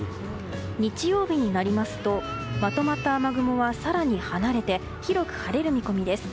日曜日になりますとまとまった雨雲は更に離れて広く晴れる見込みです。